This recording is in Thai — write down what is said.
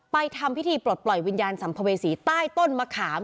ทำพิธีปลดปล่อยวิญญาณสัมภเวษีใต้ต้นมะขาม